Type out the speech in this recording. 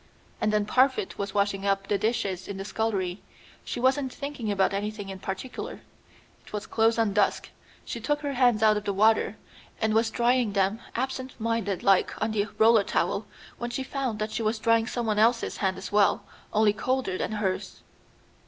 And then Parfit was washing up the dishes in the scullery. She wasn't thinking about anything in particular. It was close on dusk. She took her hands out of the water and was drying them absent minded like on the roller towel, when she found that she was drying someone else's hand as well, only colder than hers."